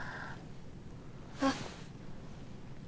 あっ。